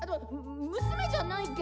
・む娘じゃないけど。